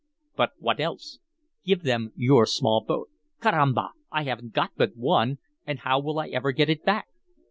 "But what else?" "Give them your small boat." "Carramba! I haven't got but one! And how will I ever get it back?"